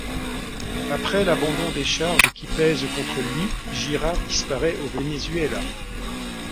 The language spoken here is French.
Après l'abandon des charges qui pèsent contre lui, Girard disparaît au Venezuela.